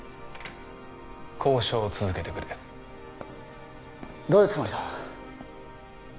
交渉を続けてくれどういうつもりだ？